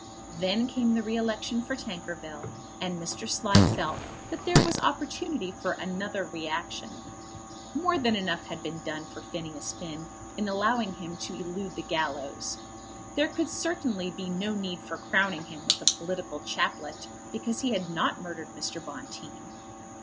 Then came the re election for Tankerville, and Mr. Slide felt that there was opportunity for another reaction. More than enough had been done for Phineas Finn in allowing him to elude the gallows. There could certainly be no need for crowning him with a political chaplet because he had not murdered Mr. Bonteen.